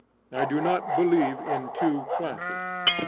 I do not believe in two classes.